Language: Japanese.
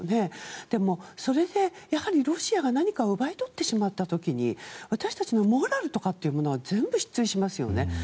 でもそれでロシアが何か奪い取ってしまった時に私たちのモラルとかっていうものは全部失墜しますよね。